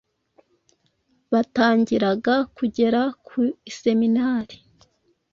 batangiraga kugera ku iseminari,